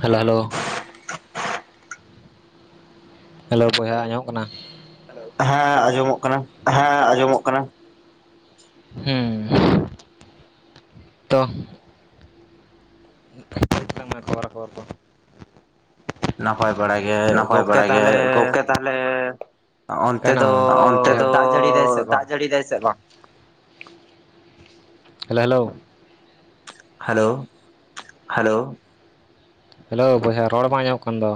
Hello hello hello ᱵᱚᱭᱦᱟ ᱟᱸᱡᱚᱢᱚᱜ ᱠᱟᱱᱟ ᱦᱟᱸ ᱟᱸᱡᱚᱢᱚᱜ ᱠᱟᱱᱟ ᱦᱟᱸ ᱟᱸᱡᱚᱢᱚᱜ ᱠᱟᱱᱟ ᱦᱩᱸᱻ ᱛᱚ [unintelligible] ᱠᱷᱚᱵᱚᱨᱟ ᱠᱷᱚᱵᱚᱨ ᱠᱚ ᱱᱟᱯᱟᱭ ᱵᱟᱲᱟ ᱜᱮ ᱱᱟᱯᱟᱭ ᱜᱚᱢᱠᱮ ᱵᱟᱲᱟ ᱜᱮ ᱛᱟᱦᱚᱞᱮ ᱜᱚᱢᱠᱮ ᱛᱟᱦᱚᱞᱮ ᱚᱱᱛᱮ ᱠᱟᱱᱟ, ᱫᱚ ᱚᱱᱛᱮ ᱫᱚ ᱫᱟᱜ ᱡᱟᱹᱲᱤ ᱫᱟᱭ ᱥᱮ ᱫᱟᱜ ᱵᱟᱝ ᱡᱟᱹᱲᱤ ᱫᱟᱭ ᱥᱮ ᱵᱟᱝ? Hello hello hello hello hello ᱵᱚᱭᱦᱟ ᱨᱚᱲ ᱵᱟᱝ ᱧᱟᱢᱚᱜ ᱠᱟᱱ ᱫᱚ,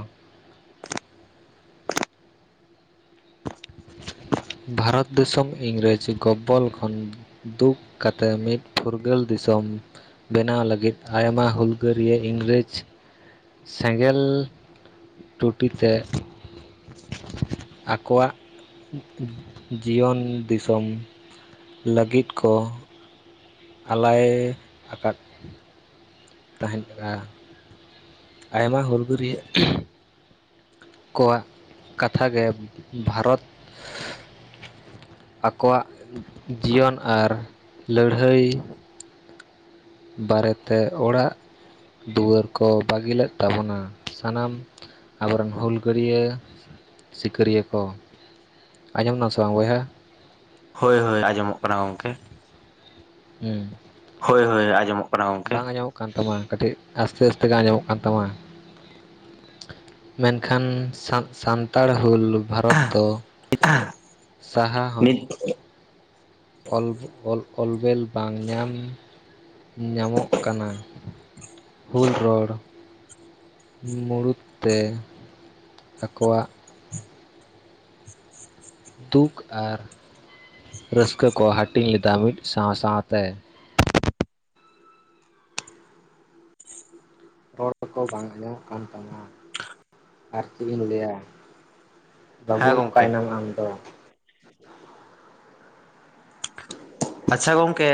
ᱵᱷᱟᱨᱚᱛ ᱫᱤᱥᱚᱢ ᱤᱝᱨᱮᱡᱽ ᱜᱚᱵᱚᱞ ᱠᱷᱚᱱ ᱫᱩᱠ ᱠᱟᱛᱮᱫ ᱢᱤᱫ ᱯᱷᱩᱨᱜᱟᱹᱞ ᱫᱤᱥᱚᱢ ᱵᱮᱱᱟᱣ ᱞᱟᱹᱜᱤᱫ ᱟᱭᱢᱟ ᱦᱩᱞᱜᱟᱹᱨᱤᱭᱟᱹ ᱤᱝᱨᱮᱡᱽ ᱥᱮᱸᱜᱮᱞ ᱴᱩᱴᱤ ᱛᱮ ᱟᱠᱚᱣᱟᱜ ᱡᱤᱭᱚᱱ ᱫᱤᱥᱚᱢ, ᱞᱟᱹᱜᱤᱫ ᱠᱚ ᱟᱞᱟᱭ ᱟᱠᱟᱫ ᱛᱟᱦᱮᱱ ᱵᱮᱲᱟ ᱟᱭᱢᱟ ᱦᱩᱞ ᱜᱟᱹᱨᱭᱟᱹ ᱠᱚᱣᱟᱜ ᱠᱟᱛᱷᱟ ᱜᱮ ᱵᱷᱟᱨᱚᱛ ᱟᱠᱚᱣᱟᱜ ᱡᱤᱭᱚᱱ ᱟᱨ ᱞᱟᱹᱲᱦᱟᱹᱭ, ᱥᱟᱲᱮᱛᱮ ᱚᱲᱟᱜ ᱫᱩᱣᱟᱹᱨ ᱠᱚ ᱵᱟᱹᱜᱤ ᱞᱮᱫ ᱛᱟᱦᱮᱱᱟ ᱥᱟᱱᱟᱢ, ᱟᱵᱚᱨᱮᱱ ᱦᱩᱞᱜᱟᱹᱨᱭᱟᱹ ᱥᱤᱠᱟᱹᱨᱤᱭᱟᱹ ᱠᱚ, ᱟᱸᱡᱚᱢ ᱫᱟᱢ ᱥᱮ ᱵᱟᱝ ᱵᱚᱭᱦᱟ? ᱦᱳᱭ ᱦᱳᱭ ᱟᱡᱚᱢᱚᱜ ᱠᱟᱱᱟ ᱜᱚᱝᱠᱮ, ᱦᱩᱸ ᱦᱳᱭ ᱦᱳᱭ ᱟᱡᱚᱢᱚᱜ ᱠᱟᱱᱟ ᱜᱚᱝᱠᱮ, ᱵᱟᱝ ᱟᱸᱡᱚᱢᱚᱜ ᱠᱟᱱ ᱛᱟᱢᱟ ᱠᱟᱹᱴᱤᱡ ᱟᱥᱛᱮ ᱟᱥᱛᱮ ᱜᱮ ᱟᱸᱡᱚᱢᱚᱜ ᱠᱟᱱ ᱛᱟᱢᱟ, ᱢᱮᱱᱠᱷᱟᱱ ᱥᱟᱱ ᱥᱟᱱᱛᱟᱲ ᱦᱩᱞ, ᱵᱷᱟᱨᱚᱛ ᱫᱚ ᱥᱟᱦᱟ ᱦᱟᱢᱤᱞ ᱚᱞ ᱚᱞ ᱚᱞᱵᱮᱞ ᱵᱟᱝ ᱧᱟᱢ ᱧᱟᱢᱚᱜ ᱠᱟᱱᱟ ᱾ ᱦᱩᱞ ᱨᱚᱲ ᱢᱩᱬᱩᱫ ᱛᱮ ᱟᱠᱚᱣᱟᱜ ᱫᱩᱠ ᱟᱨ ᱨᱟᱹᱥᱠᱟᱹ ᱠᱚ ᱦᱟᱹᱴᱤᱧ ᱞᱮᱫᱟ ᱢᱤᱫ ᱥᱟᱶ ᱥᱟᱶ ᱛᱮ ᱨᱚᱲ ᱠᱚ ᱵᱟᱝ ᱦᱟᱡᱟᱢᱚᱜ ᱠᱟᱱ ᱛᱟᱦᱮᱱᱟ ᱟᱨ ᱪᱮᱫ ᱮᱢ ᱞᱟᱹᱭᱟ, ᱵᱟᱵᱩ ᱦᱮᱸ ᱜᱚᱢᱠᱮ ᱚᱠᱟᱭᱮᱱᱟᱢ ᱟᱢ ᱫᱚ, ᱟᱪᱪᱷᱟ ᱜᱚᱝᱠᱮ,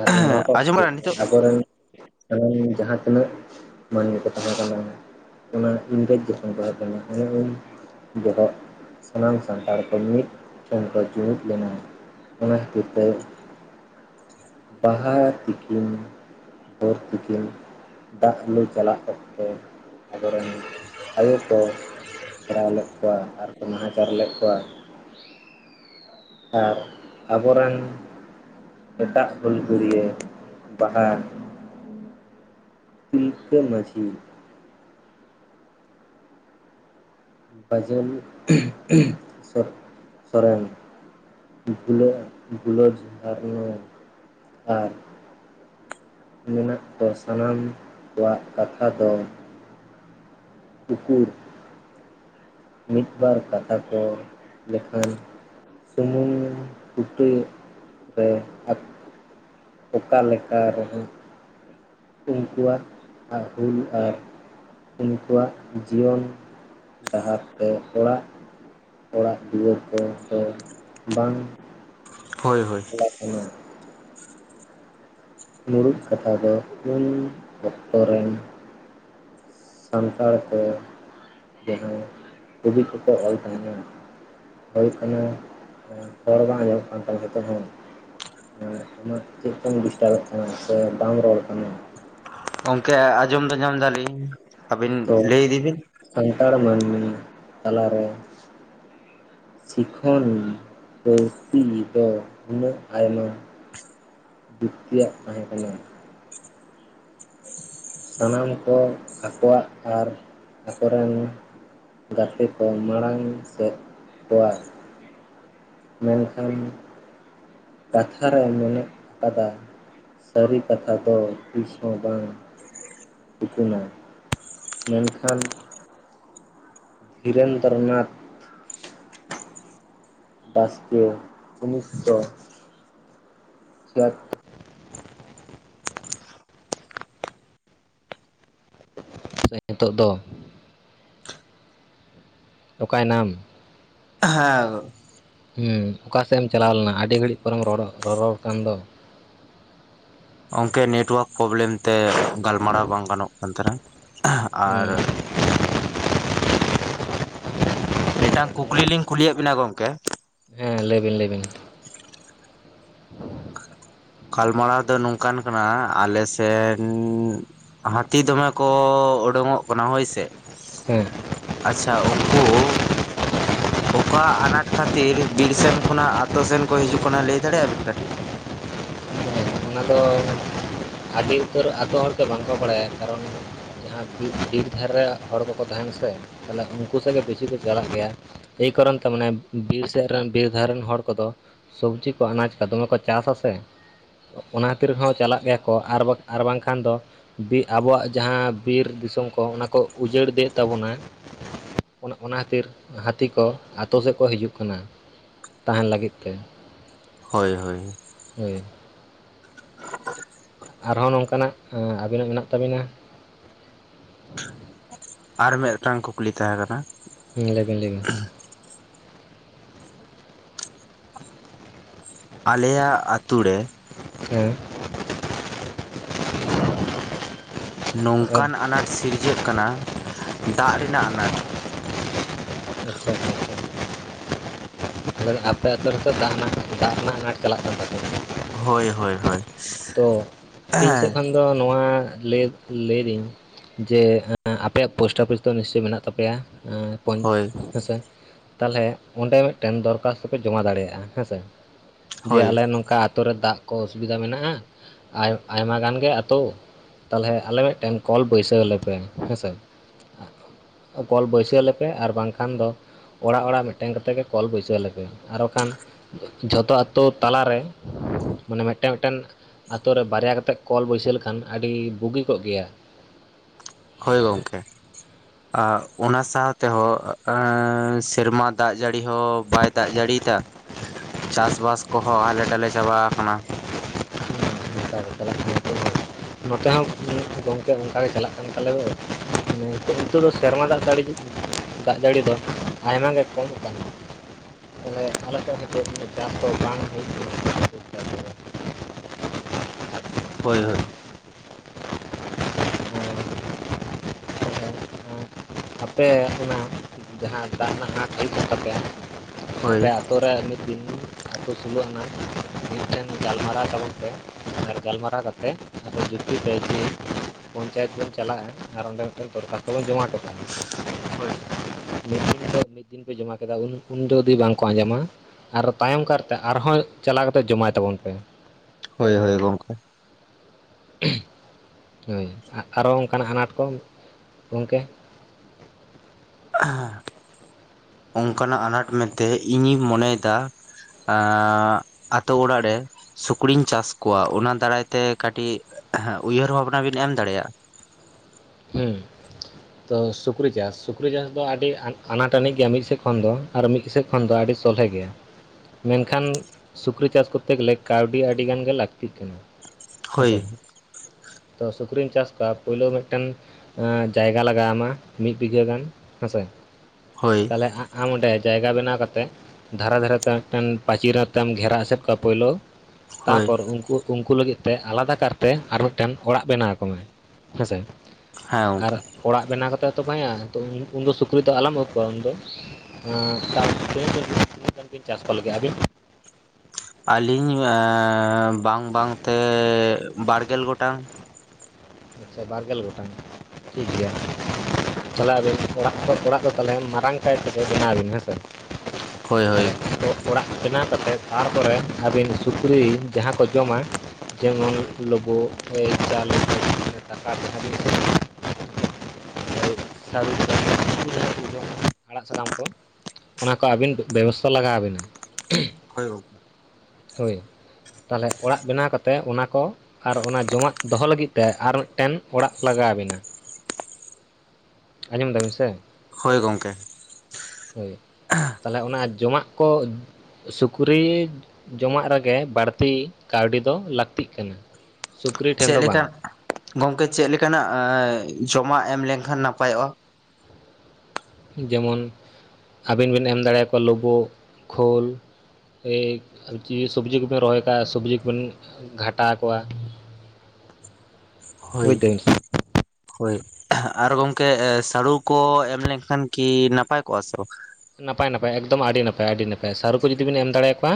ᱟᱨ ᱚᱱᱟ ᱴᱚᱜᱴᱤ ᱟᱛᱳ ᱨᱮᱱ [unintelligible] ᱡᱟᱦᱟ ᱛᱤᱱᱟᱹᱜ ᱢᱟᱹᱱᱢᱤ ᱠᱚ ᱛᱟᱦᱮ ᱠᱟᱱᱟ ᱾ ᱚᱱᱟ ᱤᱝᱨᱮᱡᱽ ᱡᱚᱠᱷᱚᱱ ᱵᱟᱭ ᱛᱟᱦᱮᱱᱟ ᱚᱱᱮ ᱩᱱ ᱵᱚᱦᱚᱜᱼᱼ ᱥᱟᱱᱟᱢ ᱥᱟᱱᱛᱟᱲ ᱠᱚ ᱢᱤᱫ ᱴᱷᱮᱱ ᱠᱚ ᱡᱩᱢᱤᱫ ᱞᱮᱱᱟ ᱚᱱᱟ ᱠᱷᱟᱹᱛᱤᱨ ᱛᱮ, ᱵᱟᱦᱟ ᱛᱤᱠᱤᱱ ᱦᱚᱨ ᱛᱤᱠᱤᱱ, ᱫᱟᱜ ᱞᱩ ᱪᱟᱞᱟᱜ ᱚᱠᱛᱮ ᱟᱵᱚᱨᱮᱱ ᱟᱭᱳ ᱠᱚ, ᱯᱷᱮᱨᱟᱣ ᱞᱮᱫ ᱠᱚᱣᱟ ᱟᱨᱠᱚ ᱱᱟᱦᱟᱪᱟᱨ ᱞᱮᱫ ᱠᱚᱣᱟ ᱾ ᱟᱨ ᱟᱵᱚᱨᱮᱱ ᱮᱴᱟᱜ ᱦᱩᱞᱜᱟᱹᱨᱭᱟᱹ ᱵᱟᱦᱟ, ᱛᱤᱞᱠᱟᱹ ᱢᱟᱹᱡᱷᱤ ᱾ ᱜᱟᱡᱞᱤ ᱩᱥᱚᱵ ᱥᱚᱨᱮᱱ ᱵᱷᱩᱞᱚ ᱵᱩᱞᱚ ᱡᱷᱟᱨᱱᱚ ᱟᱨ ᱢᱮᱱᱟᱜ ᱠᱚ ᱥᱟᱱᱟᱢ ᱠᱚᱣᱟᱜ ᱠᱟᱛᱷᱟ ᱫᱚ ᱛᱩᱠᱩ ᱢᱤᱫᱵᱟᱨ ᱠᱟᱛᱷᱟ ᱠᱚ ᱞᱮᱠᱷᱟᱱ ᱥᱩᱢᱩᱝ ᱵᱩᱴᱤ ᱨᱮ ᱟᱠ ᱚᱠᱟᱞᱮᱠᱟ ᱨᱮᱦᱚ ᱩᱱᱠᱩᱣᱟᱜ ᱟᱨ ᱦᱩᱞ ᱟᱨ ᱩᱱᱠᱩᱣᱟᱜ ᱡᱤᱭᱚᱱ ᱰᱟᱦᱟᱨ ᱛᱮ ᱚᱲᱟᱜ ᱚᱲᱟᱜ ᱫᱩᱣᱟᱹᱨ ᱠᱚᱫᱚ ᱵᱟᱝ ᱦᱳᱭ ᱦᱳᱭ ᱞᱮ ᱠᱟᱱᱟ ᱢᱩᱬᱩᱫ ᱠᱟᱛᱷᱟ ᱫᱚ ᱦᱩᱞ ᱚᱠᱛᱚ ᱨᱮᱱ ᱥᱟᱱᱛᱟᱲ ᱦᱟᱹ ᱛᱮᱦᱚ ᱠᱚᱵᱤ ᱠᱚᱠᱚ ᱚᱞ ᱛᱟᱦᱮᱱᱟ ᱦᱩᱭ ᱛᱟᱦᱚᱞᱮ ᱦᱚᱲ ᱵᱟᱝ ᱟᱸᱡᱚᱢ ᱠᱟᱱ ᱱᱤᱛᱚᱜ ᱦᱚᱸ ᱟᱢᱟᱜ ᱪᱮᱫ ᱛᱟᱢ ᱰᱤᱥᱴᱟᱵᱜ ᱠᱟᱱᱟ ᱥᱮ ᱵᱟᱢ ᱨᱚᱲ ᱠᱟᱱᱟ ᱜᱚᱝᱠᱮ ᱟᱸᱡᱚᱢ ᱫᱚ ᱧᱟᱢ ᱫᱟᱞᱤᱧ ᱟᱹᱵᱤᱱ ᱛᱚ ᱞᱟᱹᱭ ᱤᱫᱤ ᱵᱤᱱ ᱥᱟᱱᱛᱟᱲ ᱢᱟᱹᱱᱢᱤ ᱛᱟᱞᱟᱨᱮ ᱥᱤᱠᱷᱚᱱ ᱵᱟᱹᱲᱛᱤ ᱫᱚ ᱩᱱᱟᱹᱜ ᱟᱭᱢᱟ ᱡᱩᱠᱛᱤᱭᱟᱜ ᱛᱟᱦᱮᱸ ᱠᱟᱱᱟ ᱥᱟᱱᱟᱢ ᱠᱚ ᱟᱠᱚᱣᱟᱜ ᱟᱨ ᱟᱠᱚᱨᱮᱱ ᱜᱟᱛᱮ ᱠᱚ ᱢᱟᱲᱟᱝ ᱥᱮᱫ ᱠᱚᱣᱟ ᱢᱮᱱᱠᱷᱟᱱ ᱠᱟᱛᱷᱟ ᱨᱮ ᱢᱮᱱᱟᱜ ᱟᱠᱟᱫᱟ ᱥᱟᱹᱨᱤ ᱠᱟᱛᱷᱟ ᱫᱚ ᱛᱤᱥ ᱦᱚᱸ ᱵᱟᱝ ᱢᱮᱱᱠᱷᱟᱱ ᱫᱷᱤᱨᱮᱱᱫᱨᱚᱱᱟᱛᱷ ᱵᱟᱥᱠᱮ ᱩᱱᱤᱥᱥᱚ ᱪᱷᱤᱭᱟᱛᱼ ᱥᱮ ᱱᱤᱛᱚᱜ ᱫᱚ ᱚᱠᱟᱭ ᱱᱟᱢ ᱦᱮᱸ ᱦᱮᱸ ᱚᱠᱟ ᱥᱮᱫ ᱮᱢ ᱪᱟᱞᱟᱣ ᱞᱮᱱᱟ ᱟᱹᱰᱤ ᱜᱷᱟᱹᱲᱤᱡ ᱯᱚᱨᱮᱢ ᱨᱚᱲ ᱨᱚᱨᱚᱲ ᱠᱟᱱ ᱫᱚ ᱚᱱᱠᱮ ᱱᱮᱴᱣᱟᱨᱠ ᱯᱨᱚᱵᱞᱮᱢ ᱛᱮ ᱜᱟᱞᱢᱟᱨᱟᱣ ᱵᱟᱝ ᱜᱟᱱᱚᱜ ᱠᱟᱱ ᱛᱟᱦᱮᱸᱱᱟ ᱚ ᱢᱤᱫᱴᱟᱝ ᱠᱩᱠᱞᱤ ᱞᱤᱧ ᱠᱩᱞᱤᱭᱮᱫ ᱵᱮᱱᱟ ᱜᱚᱝᱠᱮ ᱦᱮᱸ ᱞᱟᱹᱭ ᱵᱮᱱ ᱞᱟᱹᱭ ᱵᱤᱱ ᱜᱟᱞᱢᱟᱨᱟᱣ ᱫᱚ ᱱᱚᱝᱠᱟᱱ ᱠᱟᱱᱟ ᱟᱞᱮᱥᱱ ᱦᱟᱹᱛᱤ ᱫᱚᱢᱮ ᱠᱚ ᱩᱰᱩᱠᱚᱜ ᱠᱟᱱᱟ ᱦᱳᱭᱥᱮ ᱦᱮᱸ ᱟᱪᱪᱷᱟ ᱩᱱᱠᱩ ᱚᱠᱟ ᱟᱱᱟᱴ ᱠᱷᱟᱹᱛᱤᱨ ᱵᱤᱨᱥᱮᱱ ᱠᱷᱚᱱᱟᱜ ᱟᱛᱳ ᱥᱮᱱ ᱠᱚ ᱦᱤᱡᱩᱜ ᱠᱟᱱᱟ ᱞᱟᱹᱭ ᱫᱟᱲᱮᱭᱟᱜᱼᱟ ᱵᱤᱴᱮᱱ ᱠᱟᱹᱴᱤᱡ ᱚᱱᱟ ᱫᱚ ᱟᱹᱰᱤ ᱩᱛᱟᱹᱨ ᱟᱛᱳ ᱦᱚᱲᱛᱮ ᱵᱟᱝᱠᱚ ᱵᱟᱲᱟᱭᱟ ᱠᱟᱨᱚᱱ ᱡᱟᱦᱟᱸ ᱵᱤᱨ ᱫᱷᱤᱨ ᱫᱷᱟᱨᱮ ᱨᱮ ᱦᱚᱲ ᱠᱚᱠᱚ ᱛᱟᱦᱮᱸᱱᱟ ᱥᱮ ᱛᱟᱦᱞᱮ ᱩᱱᱠᱩ ᱥᱮᱫ ᱜᱮ ᱵᱮᱥᱤ ᱠᱚ ᱪᱟᱞᱟᱜ ᱜᱮᱭᱟ ᱮᱭ ᱠᱟᱨᱚᱱ ᱛᱮ ᱢᱟᱱᱮ ᱵᱤᱨ ᱥᱮᱫ ᱨᱮᱱ ᱵᱤᱨ ᱫᱷᱟᱨᱮ ᱨᱮᱱ ᱦᱚᱲ ᱠᱚᱫᱚ ᱥᱚᱵᱽᱡᱤ ᱠᱚ ᱟᱱᱟᱡᱽ ᱠᱚ ᱫᱚᱢᱮ ᱠᱚ ᱪᱟᱥᱟ ᱥᱮ ᱚᱱᱟ ᱠᱷᱟᱹᱛᱤᱨ ᱦᱚᱸ ᱪᱟᱞᱟᱜ ᱜᱮᱭᱟ ᱠᱚ ᱟᱨ ᱟᱨ ᱵᱟᱝᱠᱷᱟᱱ ᱫᱚ ᱵᱤᱨ ᱟᱵᱚᱣᱟᱜ ᱡᱟᱦᱟᱸ ᱵᱤᱨ ᱫᱤᱥᱚᱢ ᱠᱚ ᱚᱱᱟ ᱠᱚ ᱩᱡᱟᱹᱲ ᱤᱫᱤᱭᱮᱜ ᱛᱟᱵᱚᱱᱟ ᱚᱱᱟ ᱠᱷᱟᱹᱛᱤᱨ ᱦᱟᱹᱛᱤ ᱠᱚ ᱟᱛᱳ ᱥᱮᱫ ᱠᱚ ᱦᱤᱡᱩᱜ ᱠᱟᱱᱟ ᱛᱟᱦᱮᱱ ᱞᱟᱹᱜᱤᱫ ᱛᱮ ᱦᱳᱭ ᱦᱳᱭ ᱦᱮᱸ [inaudible] ᱟᱨᱦᱚᱸ ᱱᱚᱝᱠᱟᱱᱟᱜ ᱟᱹᱵᱤᱱᱟᱜ ᱢᱮᱱᱟᱜ ᱛᱟᱵᱤᱱᱟ ᱟᱨ ᱢᱤᱫᱴᱟᱝ ᱠᱩᱠᱞᱤ ᱛᱟᱦᱮᱸ ᱠᱟᱱᱟ ᱦᱮᱸ ᱞᱟᱹᱭᱵᱤᱴᱮᱱ ᱞᱟᱹᱭᱵᱮᱱ ᱟᱞᱮᱭᱟᱜ ᱟᱛᱳ ᱨᱮ ᱦᱮᱸ ᱱᱚᱝᱠᱟᱱ ᱟᱱᱟᱴ ᱥᱤᱨᱡᱟᱹᱜ ᱠᱟᱱᱟ ᱫᱟᱜ ᱨᱮᱱᱟᱜ ᱟᱱᱟᱴ ᱟᱪᱪᱷᱟ ᱟ ᱟᱯᱮ ᱟᱛᱳ ᱨᱮᱫᱚ ᱫᱟᱜ ᱨᱮᱱᱟᱜ ᱫᱟᱜ ᱨᱮᱱᱟᱜ ᱟᱱᱟᱴ ᱪᱟᱞᱟᱜ ᱠᱟᱱ ᱛᱟᱯᱮ ᱦᱳᱭ ᱦᱳᱭ ᱦᱳᱭ ᱥᱮᱫ ᱦᱮᱸ ᱠᱷᱚᱱ ᱤᱧ ᱫᱚ ᱱᱚᱣᱟ ᱞᱟᱹᱭ ᱞᱟᱹᱭᱫᱟᱹᱧ ᱡᱮ ᱟᱯᱮᱭᱟᱜ ᱯᱚᱥᱴ ᱚᱯᱷᱤᱥ ᱫᱚ ᱱᱤᱥᱪᱚᱭ ᱢᱮᱱᱟᱜ ᱛᱟᱯᱮᱭᱟ ᱦᱚᱭ ᱦᱳᱭ ᱦᱮᱸᱥᱮ ᱛᱟᱦᱚᱞᱮ ᱚᱸᱰᱮ ᱢᱤᱫᱴᱮᱱ ᱫᱚᱨᱠᱷᱟᱥ ᱫᱚᱯᱮ ᱡᱚᱢᱟ ᱫᱟᱲᱮᱭᱟᱜᱼᱟ ᱦᱮᱸ ᱥᱮ ᱡᱮ ᱦᱳᱭ ᱟᱞᱮ ᱱᱚᱝᱠᱟ ᱟᱛᱳ ᱨᱮ ᱫᱟᱜ ᱠᱚ ᱚᱥᱩᱵᱤᱫᱷᱟ ᱢᱮᱱᱟᱜᱼᱟ ᱟᱭᱢᱟ ᱜᱟᱱ ᱜᱮ ᱟᱛᱳ ᱛᱟᱦᱚᱞᱮ ᱟᱞᱮ ᱢᱤᱫᱴᱮᱱ ᱠᱚᱞ ᱵᱟᱹᱭᱥᱟᱹᱣ ᱟᱞᱮ ᱯᱮ ᱦᱮᱸ ᱥᱮ ᱠᱚᱞ ᱵᱟᱹᱭᱥᱟᱹᱣ ᱟᱞᱮ ᱯᱮ ᱟᱨ ᱵᱟᱝᱠᱷᱟᱱ ᱫᱚ ᱚᱲᱟᱜ ᱚᱲᱟᱜ ᱢᱤᱫᱴᱮᱱ ᱠᱟᱛᱮ ᱜᱮ ᱠᱚᱞ ᱵᱟᱹᱭᱥᱟᱹᱣ ᱟᱞᱮ ᱯᱮ ᱟᱨ ᱵᱟᱠᱷᱟᱱ ᱡᱚᱛᱚ ᱟᱛᱳ ᱛᱟᱞᱟᱨᱮ ᱢᱟᱱᱮ ᱢᱤᱫᱴᱟᱝ ᱢᱤᱫᱴᱮᱱ ᱟᱛᱳ ᱨᱮ ᱵᱟᱨᱭᱟ ᱠᱟᱛᱮᱜ ᱠᱚᱞ ᱵᱟᱹᱭᱥᱟᱹᱣ ᱞᱮᱠᱷᱟᱱ ᱟᱹᱰᱤ ᱵᱩᱜᱤ ᱠᱚᱜ ᱜᱮᱭᱟ ᱦᱳᱹᱭ ᱜᱚᱝᱢᱠᱮ ᱾ ᱚᱱᱟ ᱥᱟᱶ ᱛᱮᱦᱚᱸ ᱥᱮᱨᱢᱟ ᱫᱟᱜ ᱡᱟᱹᱲᱤ ᱦᱚᱸ ᱵᱟᱭ ᱾ ᱫᱟᱜ ᱡᱟᱹᱲᱤᱫᱟ ᱪᱟᱥ ᱵᱟᱥ ᱠᱚ ᱦᱚᱸ ᱦᱟᱞᱮ ᱰᱟᱞᱮ ᱪᱟᱵᱟ ᱟᱠᱟᱱᱟ ᱾ ᱱᱮᱛᱟᱨ ᱠᱚ ᱪᱟᱞᱟᱜ ᱠᱟᱱᱟ ᱾ ᱱᱚᱛᱮ ᱦᱚᱸ ᱜᱚᱝᱠᱮ ᱚᱱᱠᱟ ᱜᱮ ᱪᱟᱞᱟᱜ ᱠᱟᱱ ᱛᱟᱞᱮ [inaudible] ᱟᱛᱳ ᱫᱚ ᱥᱮᱨᱢᱟ ᱫᱟᱜ ᱡᱟᱹᱲᱤ ᱫᱟᱜ ᱡᱟᱹᱲᱤ ᱫᱚ ᱟᱭᱢᱟ ᱜᱮ ᱠᱚᱢᱚ ᱠᱟᱱᱟ ᱾ ᱛᱮ ᱟᱞᱮ ᱥᱮᱫᱛ ᱪᱟᱥ ᱫᱚ ᱵᱟᱝ ᱦᱩᱭᱩᱜ ᱠᱟᱱᱟ ᱾ ᱦᱳᱹᱭ ᱦᱳᱹᱭ ᱾ ᱟᱯᱮ ᱚᱱᱟ ᱡᱟᱦᱟᱸ ᱫᱟᱜ ᱨᱮᱱᱟᱜ ᱦᱟᱴ ᱦᱳᱜ ᱛᱟᱯᱮᱭᱟ ᱦᱳᱭ ᱟᱯᱮ ᱾ ᱟᱛᱳ ᱨᱮ ᱢᱤᱫ ᱫᱤᱱ ᱟᱛᱳ ᱥᱳᱞᱳ ᱟᱱᱟ ᱾ ᱢᱤᱫᱴᱷᱮᱱ ᱜᱟᱞᱢᱟᱨᱟᱣ ᱛᱟᱵᱚᱱ ᱯᱮ ᱟᱨ ᱜᱟᱞᱢᱟᱨᱟᱣ ᱠᱟᱛᱮᱫ ᱟᱯᱮ ᱡᱩᱜ ᱛᱤ ᱯᱮ ᱡᱮ ᱾ ᱯᱚᱧᱪᱟᱭᱮᱛ ᱵᱚᱱ ᱪᱟᱞᱟᱜᱼᱟ ᱟᱨ ᱚᱸᱰᱮ ᱢᱤᱫ ᱴᱮᱱ ᱫᱚᱨᱠᱷᱟᱥᱛᱚ ᱵᱚᱱ ᱡᱚᱢᱟ ᱦᱚᱴᱚ ᱠᱟᱜᱼᱟ ᱾ ᱦᱳᱹᱭ ᱾ ᱢᱤᱫ ᱫᱤᱱ ᱫᱚ ᱢᱤᱫ ᱫᱤᱱ ᱯᱮ ᱡᱚᱢᱟ ᱠᱮᱫᱟ ᱩᱱ ᱩᱱᱫᱚ ᱡᱩᱫᱤ ᱵᱟᱝ ᱠᱚ ᱟᱸᱡᱚᱢᱟ ᱾ ᱟᱨ ᱛᱟᱭᱚᱢ ᱠᱟᱨᱛᱮ ᱟᱨᱦᱚᱸ ᱪᱟᱞᱟᱣ ᱠᱟᱛᱮ ᱡᱚᱢᱟᱭ ᱛᱟᱵᱚᱱ ᱯᱮ ᱾ ᱦᱳᱹᱭ ᱦᱳᱹᱭ ᱜᱚᱢᱠᱮ ᱾ ᱦᱳ ᱟᱨᱚ ᱚᱱᱠᱟ ᱱᱟᱜ ᱟᱱᱟᱴ ᱠᱚ ᱜᱚᱝᱠᱮ ᱾ ᱚᱱᱠᱟ ᱟᱜ ᱟᱱᱟᱴ ᱢᱮᱱᱛᱮ ᱤᱧᱤᱧ ᱢᱚᱱᱮᱭᱮᱫᱟ ᱾ ᱟᱛᱳ ᱚᱲᱟᱜ ᱨᱮ ᱾ ᱥᱩᱠᱨᱤᱧ ᱪᱟᱥ ᱠᱚᱣᱟ ᱚᱱᱟ ᱫᱟᱨᱟᱭ ᱛᱮ ᱠᱟᱹᱴᱤᱡ ᱩᱭᱦᱟᱹᱨ ᱵᱷᱟᱵ ᱱᱟ ᱵᱤᱱ ᱮᱢ ᱫᱟᱲᱮᱭᱟᱜᱼᱟ ᱾ ᱛᱚ ᱥᱩᱠᱨᱤ ᱪᱟᱥ ᱥᱩᱠᱨᱤ ᱪᱟᱥ ᱫᱚ ᱟᱹᱰᱤ ᱟᱱᱟᱴ ᱟᱹᱱᱤᱡ ᱜᱮᱭᱟ ᱢᱤᱫ ᱥᱮᱫ ᱠᱷᱚᱱ ᱫᱚ ᱾ ᱟᱨ ᱢᱤᱫ ᱥᱮᱫ ᱠᱷᱚᱱ ᱫᱚ ᱟᱹᱰᱤ ᱥᱚᱞᱦᱮ ᱜᱮᱭᱟ ᱾ ᱢᱮᱱᱠᱷᱟᱱ ᱥᱩᱠᱨᱤ ᱪᱟᱥ ᱠᱚᱨᱛᱮ ᱜᱮᱞᱮ ᱠᱟᱹᱣᱰᱤ ᱟᱹᱰᱤ ᱜᱟᱱ ᱜᱮ ᱞᱟᱹᱠᱛᱤᱜ ᱠᱟᱱᱟ ᱾ ᱦᱳᱭ ᱦᱮᱸᱥᱮ ᱛᱚ ᱥᱩᱠᱨᱤᱢ ᱪᱟᱥ ᱠᱚᱭᱟ ᱯᱳᱞᱳ ᱢᱤᱫ ᱴᱮᱱ ᱾ ᱡᱟᱭᱜᱟ ᱞᱟᱜᱟᱣ ᱟᱢᱟ ᱢᱤᱫ ᱵᱤᱜᱷᱟᱹ ᱜᱟᱱ ᱦᱮᱸᱥᱮ ᱾ ᱦᱳᱹᱭ ᱾ ᱛᱟᱦᱚᱞᱮ ᱟᱢ ᱚᱸᱰᱮ ᱡᱟᱭᱜᱟ ᱵᱮᱱᱟᱣ ᱠᱟᱛᱮᱫ ᱾ ᱫᱷᱟᱨᱮ ᱫᱷᱟᱨᱮ ᱛᱮ ᱢᱤᱫ ᱴᱮᱱ ᱯᱟᱸᱪᱤᱨ ᱟᱛᱮᱢ ᱜᱷᱮᱨᱟ ᱮᱥᱮᱫ ᱠᱚᱣᱟ ᱯᱳᱹᱭᱞᱳ ᱛᱟᱨ ᱦᱳᱭ ᱯᱚᱨ ᱩᱱᱠᱩ ᱾ ᱩᱱᱠᱩ ᱞᱟᱹᱜᱤᱫᱛᱮ ᱟᱞᱟᱫᱟ ᱠᱟᱨ ᱛᱮ ᱟᱨ ᱢᱤᱫ ᱴᱮᱱ ᱚᱲᱟᱜ ᱵᱮᱱᱟᱣ ᱟᱠᱚ ᱢᱮ ᱦᱮᱸᱥᱮ ᱾ ᱦᱮᱸ ᱟᱨ ᱜᱚᱝᱠᱮ ᱚᱲᱟᱜ ᱵᱮᱱᱟᱣ ᱠᱟᱛᱮᱫ ᱛᱚ ᱵᱟᱝ ᱦᱩᱸᱭᱩᱜᱼᱟ ᱩᱱᱫᱚ ᱥᱩᱠᱨᱤ ᱫᱚ ᱟᱞᱚᱢ ᱟᱹᱜᱩ ᱠᱚᱣᱟ ᱩᱱᱫᱚ ᱟᱱ ᱪᱟᱥ ᱛᱤᱱᱟᱹᱜ ᱵᱤᱱ ᱪᱟᱥ ᱠᱚ ᱞᱟᱹᱜᱤᱫ ᱟᱹᱵᱤᱱ ᱾ ᱟᱹᱞᱤᱧ ᱵᱟᱝ ᱵᱟᱝ ᱛᱮ ᱵᱟᱨ ᱜᱮᱞ ᱜᱚᱴᱟᱝ ᱾ ᱟᱪᱷᱟ ᱵᱟᱨ ᱜᱮᱞ ᱜᱚᱴᱟᱝ ᱴᱷᱤᱠ ᱜᱮᱭᱟ ᱾ ᱛᱟᱞᱚᱞᱮ ᱟᱹᱵᱤᱱ ᱚᱲᱟᱜ ᱚᱲᱟᱜ ᱠᱚ ᱛᱟᱦᱚᱞᱮ ᱢᱟᱨᱟᱝ ᱠᱟᱭ ᱛᱮ ᱵᱮᱱᱟᱣ ᱵᱤᱱ ᱦᱮᱸ ᱥᱮ ᱾ ᱦᱳᱹᱭ ᱦᱳᱹᱭ ᱾ ᱚᱲᱟᱜ ᱵᱮᱱᱟᱣ ᱠᱟᱛᱮᱫ ᱛᱟᱨᱯᱚᱨᱮ ᱟᱹᱵᱤᱱ ᱥᱩᱠᱨᱤ ᱡᱟᱦᱟᱸ ᱠᱚ ᱡᱚᱢᱟ ᱾ ᱡᱮᱢᱚᱱ ᱦᱳᱭ ᱞᱩᱵᱩᱜ ᱮ ᱡᱟᱞᱮ ᱴᱟᱠᱟ ᱵᱤᱱ ᱾ [inaudible] ᱟᱲᱟᱜ ᱥᱟᱠᱟᱢ ᱠᱚ ᱾ ᱚᱱᱟ ᱠᱚ ᱟᱹᱵᱤᱱ ᱵᱮᱵᱚᱥᱛᱷᱟ ᱞᱟᱜᱟᱣ ᱟᱵᱤᱱ ᱟ ᱾ ᱦᱳᱹᱭ ᱜᱚᱝᱢᱠᱮ ᱾ ᱦᱳᱹᱭ ᱛᱟᱦᱚᱞᱮ ᱚᱲᱟᱜ ᱵᱮᱱᱟᱣ ᱠᱟᱛᱮ ᱚᱱᱟ ᱠᱚ ᱾ ᱟᱨ ᱚᱱᱟ ᱡᱚᱢᱟᱜ ᱫᱚᱦᱚ ᱞᱟᱹᱜᱤᱫ ᱛᱮ ᱟᱨ ᱢᱤᱫᱴᱮᱱ ᱚᱲᱟᱜ ᱞᱟᱜᱟᱣ ᱟᱵᱤᱱᱟ ᱾ ᱟᱸᱡᱚᱢ ᱫᱟᱵᱤᱱ ᱥᱮ ᱾ ᱦᱳᱭ ᱜᱚᱢᱠᱮ ᱾ ᱛᱟᱦᱚᱞᱮ ᱚᱱᱟ ᱡᱚᱢᱟᱜ ᱠᱚ ᱾ ᱥᱩᱠᱨᱤ ᱡᱚᱢᱟᱜ ᱨᱮᱜᱮ ᱵᱟᱹᱲᱛᱤ ᱠᱟᱹᱣᱰᱤ ᱫᱚ ᱞᱟᱹᱠᱛᱤᱜ ᱠᱟᱱᱟ ᱾ ᱪᱮᱫ ᱞᱮᱠᱟ ᱜᱚᱝᱠᱮ ᱪᱮᱫ ᱞᱮᱠᱟᱱᱟᱜ ᱡᱚᱢᱟᱜ ᱮᱢ ᱞᱮᱱ ᱠᱷᱟᱱ ᱱᱟᱯᱟᱭᱚᱜᱼᱟ ᱾ ᱡᱮᱢᱚᱱ ᱟᱹᱵᱤᱱ ᱵᱤᱱ ᱮᱢ ᱫᱟᱲᱮ ᱠᱚᱣᱟ ᱞᱩᱵᱩᱜ ᱠᱷᱳᱞ ᱾ ᱮᱭ ᱥᱚᱵᱽᱡᱤ ᱠᱚᱵᱮᱱ ᱨᱚᱦᱚᱭ ᱠᱟᱜᱼᱟ ᱥᱚᱵᱽᱡᱤ ᱠᱚᱵᱮᱱ ᱜᱷᱟᱴᱟᱣ ᱟᱠᱚᱣᱟ ᱾ [unintelligible] ᱦᱳᱭ ᱦᱳᱭ ᱟᱨ ᱜᱚᱝᱠᱮ ᱥᱟᱹᱲᱩ ᱠᱚ ᱮᱢ ᱞᱮᱱᱠᱷᱟᱱ᱾ ᱠᱤ ᱱᱟᱯᱟᱭ ᱠᱚᱜᱼᱟ ᱱᱟᱯᱟᱭ ᱱᱟᱯᱟᱭ ᱮᱠᱫᱚᱢ ᱟᱹᱰᱤ ᱱᱟᱯᱟᱭ- ᱟᱹᱰᱤ ᱱᱟᱯᱟᱭ ᱥᱟᱹᱨᱩ ᱠᱚ ᱡᱩᱫᱤ ᱵᱮᱱ ᱮᱢ ᱫᱟᱲᱮᱭᱟᱠᱚᱣᱟ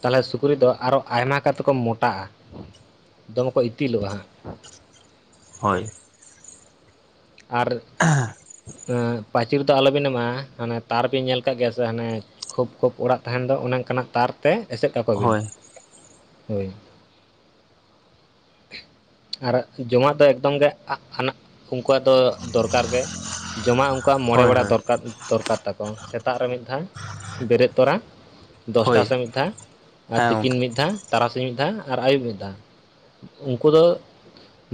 ᱛᱟᱦᱚᱞᱮ ᱥᱩᱠᱨᱤ ᱫᱚ ᱟᱨᱚ ᱟᱭᱢᱟ ᱠᱟᱛᱮ ᱠᱚ ᱢᱚᱴᱟᱜᱼᱟ ᱫᱚᱢᱮ ᱠᱚ ᱤᱛᱤᱞᱚᱜᱼᱟ ᱦᱟᱸᱜ᱾ ᱦᱳᱭ᱾ ᱟᱨ ᱯᱟᱪᱤᱨ ᱫᱚ ᱟᱞᱚᱵᱤᱱ ᱮᱢᱟᱜ-ᱟ ᱦᱟᱱᱮ ᱛᱟᱨ ᱵᱤᱱ ᱧᱮᱞ ᱟᱠᱟᱫ ᱜᱮᱭᱟ ᱥᱮ ᱦᱟᱱᱮ᱾ ᱠᱷᱳᱯ ᱠᱷᱳᱯ ᱚᱲᱟᱜ ᱛᱟᱦᱮᱱ ᱫᱚ ᱚᱱᱮ ᱚᱱᱠᱟᱱᱟᱜ ᱛᱟᱨ ᱛᱮ ᱮᱥᱮᱫ ᱠᱟᱠᱚ ᱵᱤᱱ᱾ ᱦᱳᱭ ᱦᱳᱭ᱾ ᱟᱨ ᱡᱚᱢᱟᱜ ᱫᱚ ᱮᱠᱫᱚᱢ ᱜᱮ ᱟᱜ ᱟᱱᱟ᱾ ᱩᱱᱠᱩᱣᱟᱜ ᱫᱚ ᱫᱚᱨᱠᱟᱨ ᱜᱮ ᱡᱚᱢᱟᱜ ᱩᱱᱠᱩᱣᱟᱜ ᱢᱚᱬᱮ ᱦᱳᱭ ᱵᱮᱲᱟ ᱦᱳᱭ ᱫᱚᱨᱠᱟᱨ ᱫᱚᱨᱠᱟᱨ ᱛᱟᱠᱚ ᱥᱮᱛᱟᱜ ᱨᱮ ᱢᱤᱫ ᱫᱷᱟᱣ ᱵᱮᱨᱮᱫ ᱛᱚᱨᱟ᱾ ᱫᱚᱥᱴᱟ ᱦᱳᱭ ᱥᱮᱫ ᱢᱤᱫ ᱫᱷᱟᱹᱣ ᱟᱨ ᱦᱮᱸ ᱛᱤᱠᱤᱱ ᱜᱚᱢᱠᱮ ᱢᱤᱫ ᱫᱷᱟᱹᱣ ᱛᱟᱨᱟᱥᱤᱧ ᱢᱤᱫ ᱫᱷᱟᱹᱣ ᱟᱨ ᱟᱹᱭᱩᱵ ᱢᱤᱫ ᱫᱷᱟᱣ᱾ ᱩᱱᱠᱩ ᱫᱚ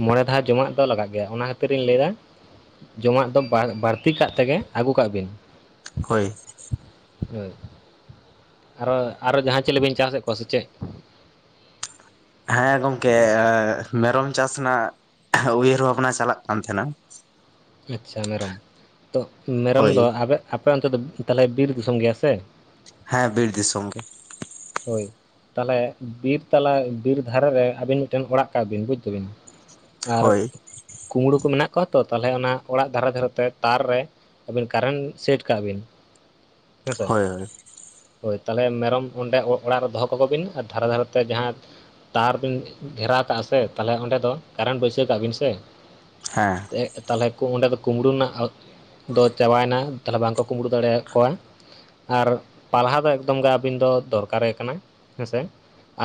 ᱢᱚᱬᱮ ᱫᱷᱟᱣ ᱡᱚᱢᱟᱜ ᱫᱚ ᱞᱟᱜᱟᱜ ᱜᱮᱭᱟ ᱚᱱᱟ ᱠᱷᱟᱹᱛᱤᱨ᱾ ᱤᱧ ᱞᱟᱹᱭᱮᱜ-ᱟ ᱡᱚᱢᱟᱜ ᱫᱚ ᱵᱟᱹᱲᱛᱤ ᱠᱟᱜ ᱛᱮᱜᱮ ᱟᱹᱜᱩ ᱠᱟᱜ ᱵᱤᱱ᱾ ᱦᱳᱭ ᱦᱳᱭ ᱟᱨᱚ ᱟᱨᱚ ᱡᱟᱦᱟᱸ ᱪᱤᱞᱤᱵᱤᱱ ᱪᱟᱥᱮᱫ ᱠᱚᱣᱟ ᱥᱮ ᱪᱮᱫ᱾ ᱦᱮᱸ ᱜᱚᱢᱠᱮ ᱢᱮᱨᱚᱢ ᱪᱟᱥ ᱨᱮᱱᱟᱜ᱾ ᱩᱭᱦᱟᱹᱨ ᱵᱷᱟᱵᱽᱱᱟ ᱪᱟᱞᱟᱜ ᱠᱟᱱ ᱛᱟᱦᱮᱱᱟ᱾ ᱟᱪᱪᱷᱟ ᱢᱮᱨᱚᱢ ᱛᱚ ᱢᱮᱨᱚᱢ ᱦᱳᱭ ᱫᱚ ᱟᱯᱮ ᱚᱱᱛᱮ ᱫᱚ ᱛᱟᱦᱚᱞᱮ ᱵᱤᱨᱥ ᱫᱤᱥᱚᱢ ᱜᱮᱭᱟ ᱥᱮ, ᱦᱮᱸ ᱵᱤᱨ ᱫᱤᱥᱚᱢ ᱜᱮ᱾ ᱦᱳᱭ᱾ ᱛᱟᱦᱚᱞᱮ ᱵᱤᱨ ᱛᱟᱞᱟ ᱵᱤᱨ ᱫᱷᱟᱨᱮ ᱨᱮ ᱟᱹᱵᱤᱱ ᱢᱤᱫᱴᱮᱱ ᱚᱲᱟᱜ ᱠᱟᱜ ᱵᱤᱱ ᱵᱩᱡ ᱫᱟᱹᱵᱤᱱ᱾ ᱟᱨ ᱦᱳᱭ ᱠᱩᱢᱲᱩ ᱠᱚ ᱢᱮᱱᱟᱜ ᱠᱚᱣᱟ ᱛᱚ ᱛᱟᱞᱦᱮ ᱚᱱᱟ ᱚᱲᱟᱜ ᱫᱷᱟᱨᱮ ᱫᱷᱟᱨᱮ ᱛᱮ ᱛᱟᱨ ᱨᱮ᱾ ᱟᱹᱵᱤᱱ ᱠᱟᱨᱮᱱᱴ ᱥᱮᱴ ᱠᱟᱜ ᱵᱤᱱ ᱦᱮᱸᱥᱮ ᱦᱳᱭ ᱦᱳᱭ ᱦᱳᱭ ᱛᱟᱦᱚᱞᱮ ᱢᱮᱨᱚᱢ ᱚᱸᱰᱮ ᱚᱲᱟᱜ ᱨᱮ ᱫᱚᱦᱚ ᱠᱟᱠᱚ ᱵᱤᱱ ᱟᱨ ᱫᱷᱟᱨᱮ ᱫᱷᱟᱨᱮ ᱛᱮ ᱡᱟᱦᱟᱸ᱾ ᱛᱟᱨ ᱵᱤᱱ ᱜᱷᱮᱨᱟᱣ ᱠᱟᱜᱼᱟ ᱥᱮ ᱛᱟᱦᱚᱞᱮ ᱚᱸᱰᱮ ᱫᱚ ᱠᱟᱨᱮᱱᱴ ᱵᱟᱹᱭᱥᱟᱹᱣ ᱠᱟᱜ ᱵᱤᱱ ᱥᱮ᱾ ᱦᱮᱸ ᱛᱟᱦᱚᱞᱮ ᱚᱸᱰᱮ ᱫᱚ ᱠᱩᱢᱵᱽᱲᱩ ᱨᱮᱱᱟᱜ ᱫᱚ ᱪᱟᱵᱟᱭᱮᱱᱟ ᱛᱟᱦᱚᱞᱮ ᱵᱟᱝᱠᱚ ᱠᱩᱢᱵᱽᱲᱩ ᱫᱟᱲᱮᱭᱟ ᱠᱚᱣᱟ᱾ ᱟᱨ ᱯᱟᱞᱦᱟ ᱫᱚ ᱮᱠᱫᱚᱢ ᱜᱮ ᱟᱹᱵᱤᱱ ᱫᱚ᱾ ᱫᱚᱨᱠᱟᱨᱮ ᱠᱟᱱᱟ ᱦᱮᱸᱥᱮ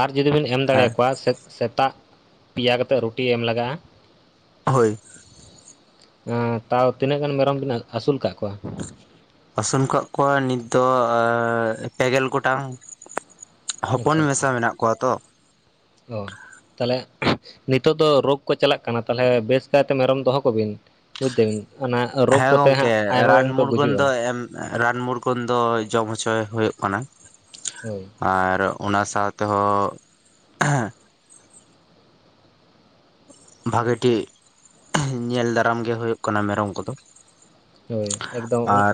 ᱟᱨ ᱡᱩᱫᱤ ᱵᱮᱱ ᱮᱢ ᱦᱮᱸ ᱫᱟᱲᱮᱭᱟᱠᱚᱣᱟ ᱥᱮ- ᱥᱮᱛᱟᱜ ᱯᱮᱭᱟ ᱠᱟᱛᱮᱫ ᱨᱩᱴᱤ ᱮᱢ ᱞᱟᱜᱟᱜᱼᱟ, ᱦᱳᱭ ᱛᱟᱣ ᱛᱤᱱᱟᱹᱜ ᱜᱟᱱ ᱢᱮᱨᱚᱢ ᱵᱤᱱ ᱟᱹᱥᱩᱞ ᱠᱟᱜ ᱠᱚᱣᱟ᱾ ᱟᱹᱥᱩᱞ ᱠᱟᱜ ᱠᱚᱣᱟ ᱱᱤᱛ ᱫᱚ ᱯᱮᱜᱮᱞ ᱜᱚᱴᱟᱝ᱾ ᱦᱚᱯᱚᱱ ᱟᱪᱪᱷᱟ ᱟᱪᱪᱷᱟ ᱢᱮᱥᱟ ᱢᱮᱱᱟᱜ ᱠᱚᱣᱟ ᱛᱚ᱾ ᱚ ᱛᱟᱦᱚᱞᱮ ᱱᱤᱛᱚᱜ ᱫᱚ ᱨᱳᱜᱽ ᱠᱚ ᱪᱟᱞᱟᱜ ᱠᱟᱱᱟ ᱛᱟᱦᱚᱞᱮ ᱵᱮᱥ ᱠᱟᱭᱛᱮ ᱢᱮᱨᱚᱢ ᱫᱚᱦᱚ ᱠᱚᱵᱤᱱ᱾ ᱵᱩᱡ ᱫᱟᱹ ᱵᱤᱱ ᱚᱱᱟ ᱨᱳᱜᱽ ᱦᱮᱸ ᱠᱚᱛᱮ ᱜᱚᱢᱠᱮ ᱦᱟᱸᱜ ᱟᱭᱢᱟ ᱨᱟᱱ ᱜᱟᱱ ᱠᱚ ᱢᱩᱨᱜᱟᱹᱱ ᱜᱩᱡᱩᱜᱼᱟ᱾ ᱫᱚ ᱮᱢ ᱨᱟᱱ ᱢᱩᱨᱜᱟᱹᱱ ᱫᱚ ᱡᱚᱢ ᱦᱚᱪᱚᱭ ᱦᱩᱭᱩᱜ ᱠᱟᱱᱟ᱾ ᱦᱳᱭ ᱟᱨ ᱚᱱᱟ ᱥᱟᱶ ᱛᱮᱦᱚᱸ ᱵᱷᱟᱜᱮ ᱴᱷᱤᱜ ᱧᱮᱞ ᱫᱟᱨᱟᱢ ᱜᱮ ᱦᱩᱭᱩᱜ ᱠᱟᱱᱟ ᱢᱮᱨᱚᱢ ᱠᱚᱫᱚ᱾ ᱦᱳᱭ ᱮᱠᱫᱚᱢ ᱟᱨ